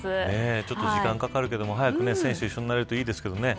ちょっと時間かかるけど早く選手と一緒になれるといいですけどね。